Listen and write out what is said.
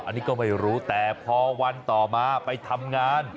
อันนี้ก็ไม่รู้แต่พอวันต่อมาไปทำงาน